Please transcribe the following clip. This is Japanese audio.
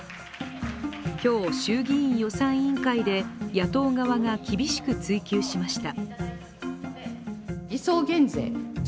今日、衆議院予算委員会で野党側が厳しく追及しました。